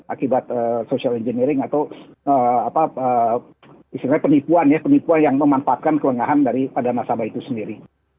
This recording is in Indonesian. akibat social engineering atau penipuan ya penipuan yang memanfaatkan kelelahan dari pada nasabah itu sendiri